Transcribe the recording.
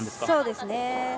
そうですね。